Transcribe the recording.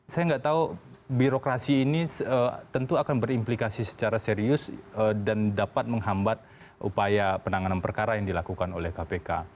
saya nggak tahu birokrasi ini tentu akan berimplikasi secara serius dan dapat menghambat upaya penanganan perkara yang dilakukan oleh kpk